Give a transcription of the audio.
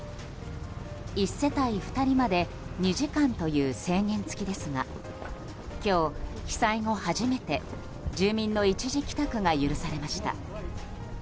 １世帯２人まで２時間という制限付きですが今日、被災後初めて住民の一時帰宅が許されました。